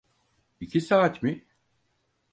İki saat mi?